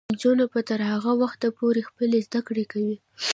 نجونې به تر هغه وخته پورې خپلې زده کړې کوي.